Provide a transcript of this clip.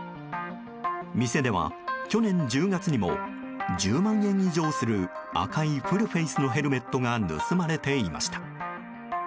店では去年１０月にも１０万円以上する赤いフルフェースのヘルメットが盗まれていました。